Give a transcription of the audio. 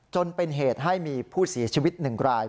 จนเป็นเหตุให้มีผู้เสียชีวิต๑ราย